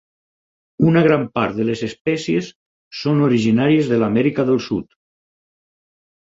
Una gran part de les espècies són originàries de l'Amèrica del Sud.